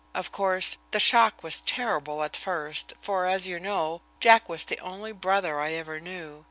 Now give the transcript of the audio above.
Of course, the shock was terrible at first, for, as you know, Jack was the only brother I ever knew.